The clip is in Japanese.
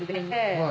はい。